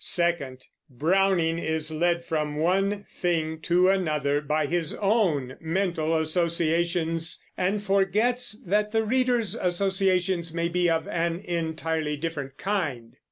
Second, Browning is led from one thing to another by his own mental associations, and forgets that the reader's associations may be of an entirely different kind.